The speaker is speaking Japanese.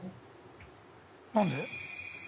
何で？